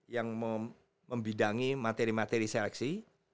yang membidangi materi materi seleksi